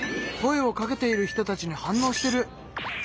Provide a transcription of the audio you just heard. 声をかけている人たちに反応してる！